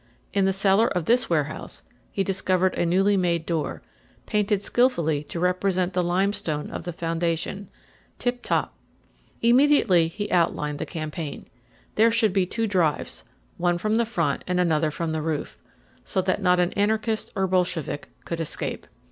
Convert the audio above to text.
In the cellar of this warehouse he discovered a newly made door, painted skillfully to represent the limestone of the foundation. Tiptop. Immediately he outlined the campaign. There should be two drives one from the front and another from the roof so that not an anarchist or Bolshevik could escape.